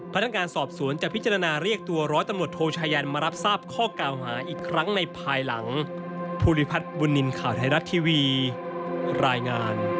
พนักงานสอบสวนจะพิจารณาเรียกตัวร้อยตำรวจโทชายันมารับทราบข้อกล่าวหาอีกครั้งในภายหลัง